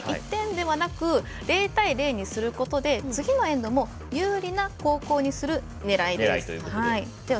１点ではなく０対０にすることで次のエンドも有利な後攻にするねらいです